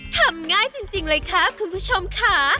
ทำง่ายจริงเลยค่ะคุณผู้ชมค่ะ